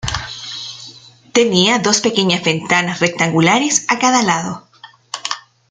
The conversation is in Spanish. Tenía dos pequeñas ventanas rectangulares a cada lado.